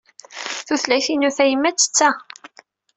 Tutlayt-inu tayemmat d ta.